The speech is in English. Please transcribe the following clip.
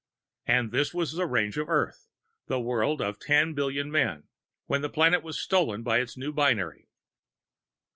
And this was the range of Earth, the world of ten billion men, when the planet was stolen by its new binary.